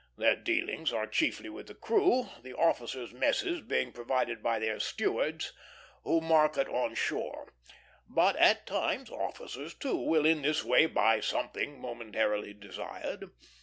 Their dealings are chiefly with the crew, the officers' messes being provided by their stewards, who market on shore; but at times officers, too, will in this way buy something momentarily desired.